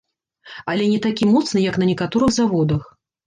Але не такі моцны, як на некаторых заводах.